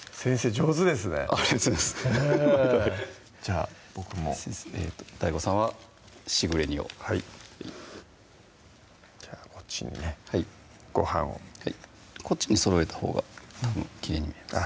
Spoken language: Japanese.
上手ですねありがとうございますじゃあ僕もそうですねＤＡＩＧＯさんはしぐれ煮をはいじゃあこっちにねごはんをこっちにそろえたほうがたぶんきれいに見えます